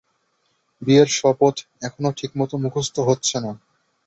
বিয়ের শপথ এখনো ঠিকমতো মুখস্থ হচ্ছে না।